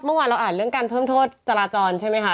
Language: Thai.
เมื่อวานเราอ่านเรื่องการเพิ่มโทษจราจรใช่ไหมคะ